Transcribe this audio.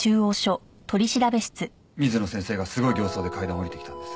水野先生がすごい形相で階段を下りてきたんです。